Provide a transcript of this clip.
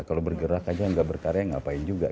kalau bergerak aja nggak berkarya ngapain juga